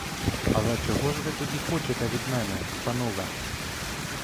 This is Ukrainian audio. Але чого ж ви тоді хочете від мене, панове?